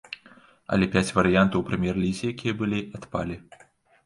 Але пяць варыянтаў у прэм'ер-лізе, якія былі, адпалі.